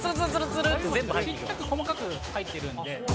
ちっちゃく細かく入ってるんで。